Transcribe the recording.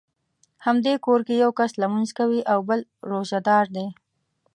همدې کور کې یو کس لمونځ کوي او بل روژه دار دی.